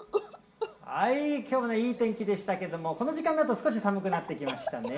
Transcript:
きょうもね、いい天気でしたけれども、この時間になると、少し寒くなってきましたね。